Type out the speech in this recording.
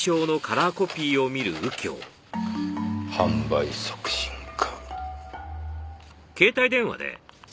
販売促進課。